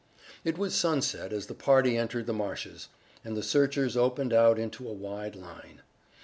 It was sunset as the party entered the marshes, and the searchers opened out into a wide line.